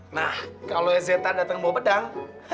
nah kalau ezeta datang bawa pedang